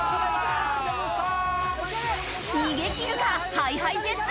逃げきるか？ＨｉＨｉＪｅｔｓ！